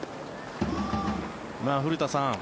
古田さん